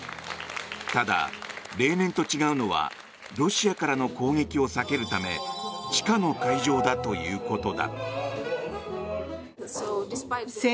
ただ、例年と違うのはロシアからの攻撃を避けるため地下の会場だということだ。